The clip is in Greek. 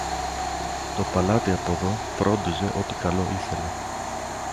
Το παλάτι από δω φρόντιζε ό,τι καλό ήθελε.